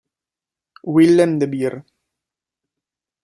Willem de Beer